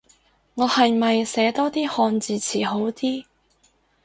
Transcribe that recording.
我係咪寫多啲漢字詞好啲